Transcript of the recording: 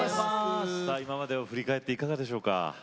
今までを振り返っていかがですか。